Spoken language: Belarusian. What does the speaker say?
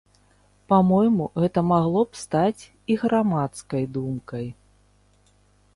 Па-мойму, гэта магло б стаць і грамадскай думкай.